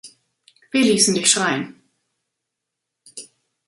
Wir ließen dich schreien.